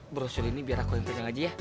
bro selini biar aku yang pedang aja ya